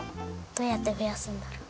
どうやってふやすんだろ？